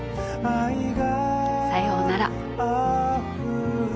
さようなら。